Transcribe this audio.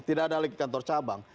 tidak ada lagi kantor cabang